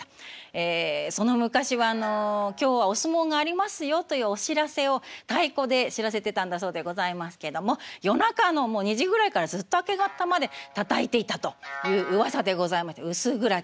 ええその昔はあの「今日はお相撲がありますよ」というお知らせを太鼓で知らせてたんだそうでございますけども夜中のもう２時ぐらいからずっと明け方までたたいていたといううわさでございまして「薄暗き」